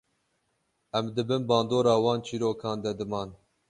Em di bin bandora wan çîrokan de diman.